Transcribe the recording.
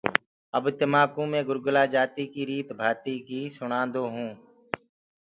اب مي تمآڪوُ گُرگُلآ جآتيٚ ڪي ريت ڀآتيٚ ڪآ بآرآ مي سُڻاندو هونٚ۔